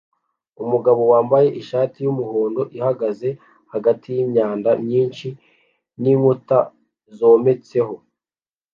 umugabo wambaye ishati yumuhondo ihagaze hagati yimyanda myinshi ninkuta zometseho